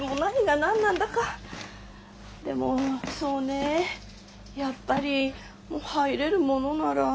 でもそうねやっぱり入れるものなら。